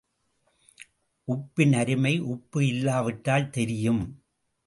உப்பின் அருமை உப்பு இல்லாவிட்டால் தெரியும்.